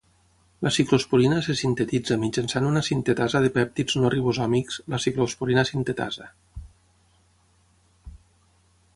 La ciclosporina se sintetitza mitjançant una sintetasa de pèptids no ribosòmics, la ciclosporina sintetasa.